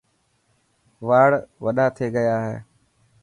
واڙ وڏا ٿي گيا هي.